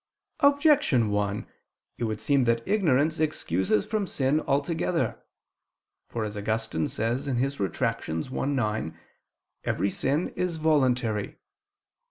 Objection 1: It would seem that ignorance excuses from sin altogether. For as Augustine says (Retract. i, 9), every sin is voluntary.